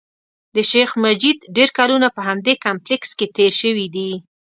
د شیخ مجید ډېر کلونه په همدې کمپلېکس کې تېر شوي دي.